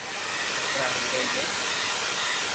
ڪپڙا ھيڙي جي